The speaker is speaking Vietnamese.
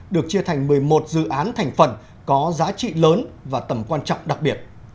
được chia thành một mươi một dự án thành phần có giá trị lớn và tầm quan trọng đặc biệt